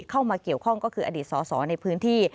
เข้ามาเกี่ยวข้องก็คืออดีตสอสอในพื้นที่